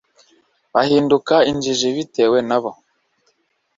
bahinduka injiji bitewe na bo